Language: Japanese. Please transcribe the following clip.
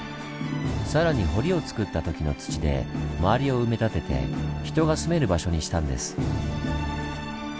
更に堀をつくった時の土で周りを埋め立てて人が住める場所にしたんです。